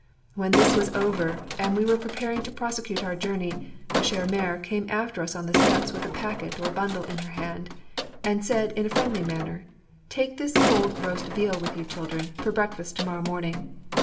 When this was over, and we were preparing to prosecute our journey, ma chère mère came after us on the steps with a packet or bundle in her hand, and said in a friendly manner, "Take this cold roast veal with you, children, for breakfast to morrow morning.